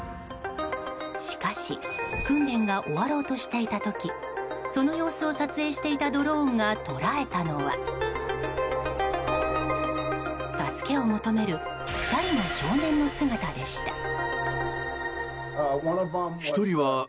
しかし訓練が終わろうとしていた時その様子を撮影していたドローンが捉えたのは助けを求める２人の少年の姿でした。